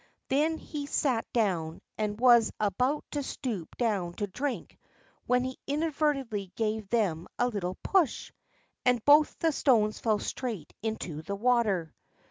Then he sat down, and was about to stoop down to drink when he inadvertently gave them a little push, and both the stones fell straight into the water.